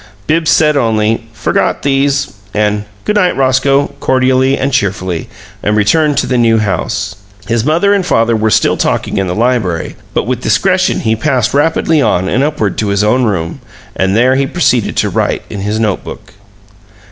Bibbs said only, "Forgot these," and, "Good night, Roscoe," cordially and cheerfully, and returned to the New House. His mother and father were still talking in the library, but with discretion he passed rapidly on and upward to his own room, and there he proceeded to write in his note book.